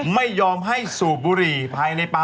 ไม่ยอมให้สูบบุหรี่ภายในป่า